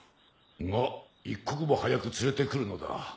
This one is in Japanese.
が一刻も早く連れてくるのだ。